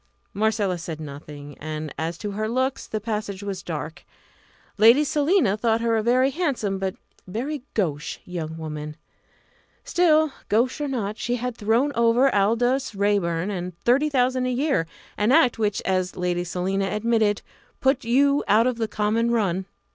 Marcella said nothing, and as to her looks the passage was dark. Lady Selina thought her a very handsome but very gauche young woman. Still, gauche or no, she had thrown over Aldous Raeburn and thirty thousand a year; an act which, as Lady Selina admitted, put you out of the common run.